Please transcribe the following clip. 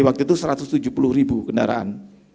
waktu itu satu ratus tujuh puluh ribu kendaraan